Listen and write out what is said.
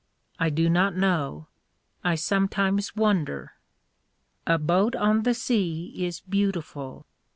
I do not know. I sometimes wonder. A boat on the sea is beautiful.